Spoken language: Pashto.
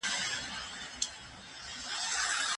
زه کولای شم ځان وپیژنم.